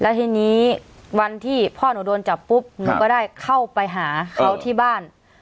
ทีนี้วันที่พ่อหนูโดนจับปุ๊บหนูก็ได้เข้าไปหาเขาที่บ้าน